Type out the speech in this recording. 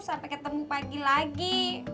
sampai ketemu pagi lagi